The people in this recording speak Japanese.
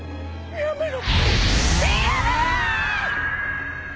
やめろ。